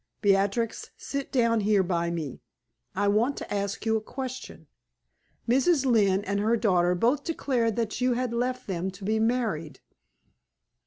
"Beatrix, sit down here by me; I want to ask you a question. Mrs. Lynne and her daughter both declared that you had left them to be married."